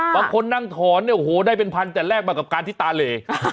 บางคนนั่งถอนเนี่ยโอ้โหได้เป็นพันแต่แรกมากับการที่ตาเหล